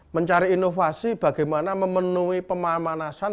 mencari inovasi bagaimana memenuhi pemanasan